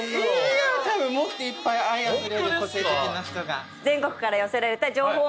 いや多分もっといっぱい愛あふれる個性的な人が。